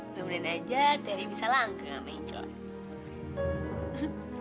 kemudian aja teri bisa langka sama angel lah